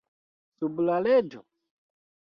Sub la leĝo?